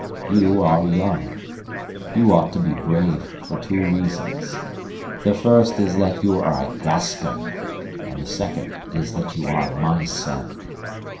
You are young. You ought to be brave for two reasons: the first is that you are a Gascon, and the second is that you are my son.